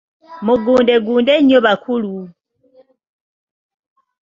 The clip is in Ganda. Mugundegunde nnyo bakulu!